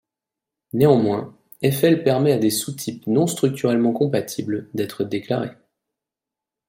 Néanmoins, Eiffel permet à des sous-types non structurellement compatibles d'être déclarés.